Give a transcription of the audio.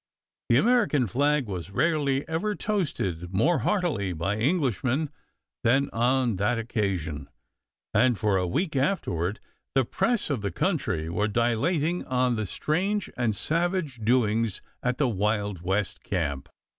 The American flag was rarely ever toasted more heartily by Englishmen than on that occasion, and for a week afterward the press of the country were dilating on the strange and savage doings at the Wild West camp.